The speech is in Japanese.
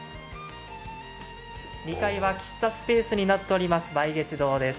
２階は喫茶スペースになっております、梅月堂です。